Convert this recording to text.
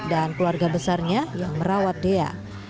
dan keluarga besarnya yang merawat dea